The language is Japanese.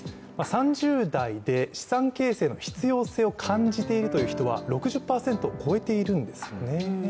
３０代で資産形成の必要性を感じているという人は６０％を超えているんですよね。